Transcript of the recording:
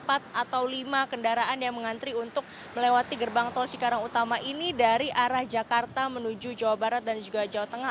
atau lima kendaraan yang mengantri untuk melewati gerbang tol cikarang utama ini dari arah jakarta menuju jawa barat dan juga jawa tengah